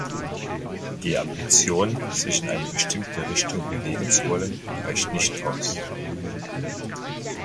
Die Ambition, sich in eine bestimmte Richtung bewegen zu wollen, reicht nicht aus.